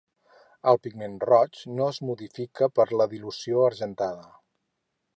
El pigment roig no es modifica per la dilució argentada.